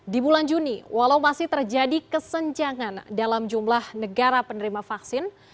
di bulan juni walau masih terjadi kesenjangan dalam jumlah negara penerima vaksin